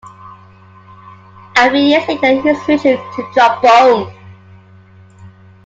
A few years later he switched to trombone.